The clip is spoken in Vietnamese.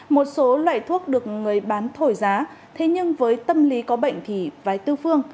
một số loại thuốc được người bán thổi giá thế nhưng với tâm lý có bệnh thì vái tư phương